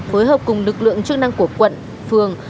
phối hợp cùng lực lượng chức năng của quận phường